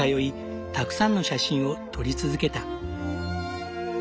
たくさんの写真を撮り続けた。